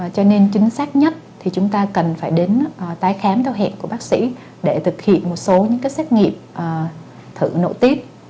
cho nên chính xác nhất thì chúng ta cần phải đến tái khám theo hẹn của bác sĩ để thực hiện một số xét nghiệm thử nội tiếp